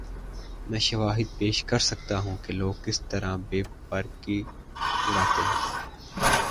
میں شواہد پیش کر سکتا ہوں کہ لوگ کس طرح بے پر کی اڑاتے ہیں۔